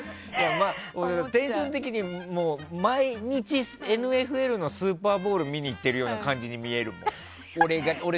テンション的に毎日ＮＦＬのスーパーボウル見に行っているような感じに見えるもん。